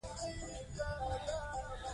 دویمه وجه دا چې الله تعالی د أسماء الحسنی،